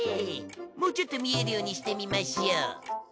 もうちょっと見えるようにしてみましょう。